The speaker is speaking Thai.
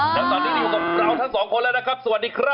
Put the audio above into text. แล้วตอนนี้อยู่กับเราทั้งสองคนแล้วนะครับสวัสดีครับ